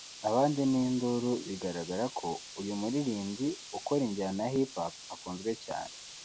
abandi n’induru biragaragara ko uyu muririmbyi ukora injyana ya Hip Hop akunzwe cyane